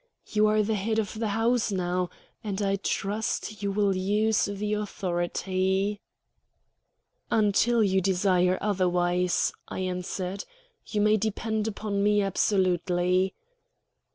You are the head of the house now, and I trust you will use the authority." "Until you desire otherwise," I answered. "You may depend upon me absolutely."